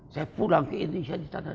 saya pulang ke indonesia di sana